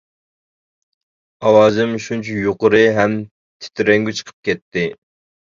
! ئاۋازىم شۇنچە يۇقىرى ھەم تىترەڭگۈ چىقىپ كەتتى.